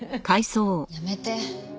やめて。